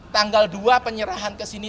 tanggal dua penyerahan ke sini